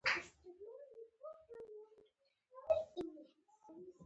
انساني ښکار د ځمکنیو لویو حیواناتو ورکېدو دلیل ښيي.